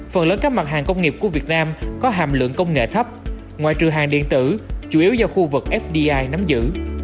phần lớn các mặt hàng công nghiệp của việt nam có hàm lượng công nghệ thấp ngoại trừ hàng điện tử chủ yếu do khu vực fdi nắm giữ